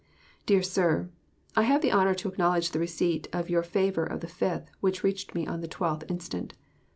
DEAR SIR: I have the honor to acknowledge the receipt of your favor of the 5th, which reached me on the 12th inst.